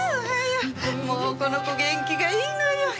もうこの子元気がいいのよ。